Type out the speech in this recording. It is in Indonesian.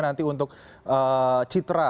nanti untuk citra